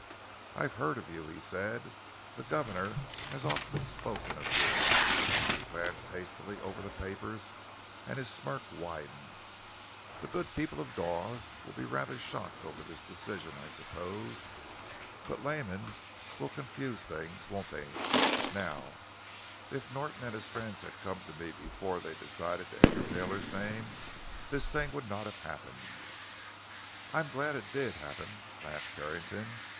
"I've heard of you," he said; "the governor has often spoken of you." He glanced hastily over the papers, and his smirk widened. "The good people of Dawes will be rather shocked over this decision, I suppose. But laymen will confuse things—won't they? Now, if Norton and his friends had come to me before they decided to enter Taylor's name, this thing would not have happened." "I'm glad it did happen," laughed Carrington.